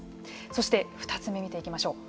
そして２つ目見ていきましょう。